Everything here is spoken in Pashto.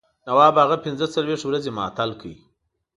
نواب هغه پنځه څلوېښت ورځې معطل کړ.